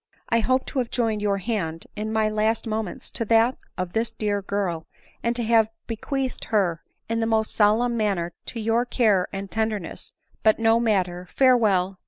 I hoped to have joined your hand, in my last moments, to that of this dear girl, and to have bequeathed her in the most solemn manner to your care and tenderness ; but, no matter, farewell